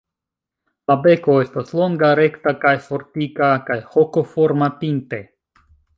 La beko estas longa, rekta kaj fortika kaj hokoforma pinte.